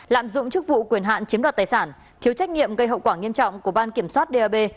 lạm dụng chức vụ quyền hạn chiếm đoạt tài sản thiếu trách nhiệm gây hậu quả nghiêm trọng của ban kiểm soát dap